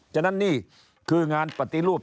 ฉะนั้นนี่คืองานปฏิรูป